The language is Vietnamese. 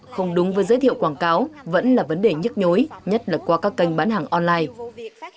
không đúng với giới thiệu quảng cáo vẫn là vấn đề nhức nhối nhất là qua các kênh bán hàng online